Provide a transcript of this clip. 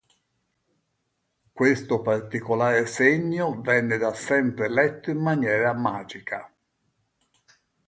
Questo particolare segno venne da sempre letto in maniera "magica".